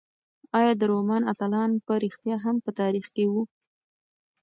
ایا د رومان اتلان په رښتیا هم په تاریخ کې وو؟